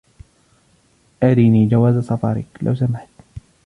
أرِنِي جواز سفرك ، لو سمحت.